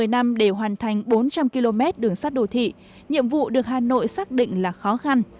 một mươi năm để hoàn thành bốn trăm linh km đường sát đô thị nhiệm vụ được hà nội xác định là khó khăn